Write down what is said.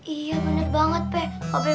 iya bener banget be